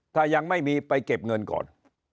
ถ้ายังไม่มีไปเก็บเงินก่อน